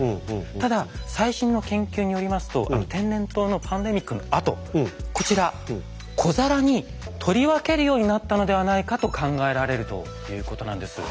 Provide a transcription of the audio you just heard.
ただ最新の研究によりますと天然痘のパンデミックのあとこちら小皿に取り分けるようになったのではないかと考えられるということなんです。